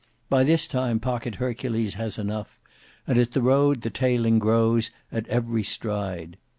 By this time Pocket Hercules has enough, and at the road the tailing grows at every stride.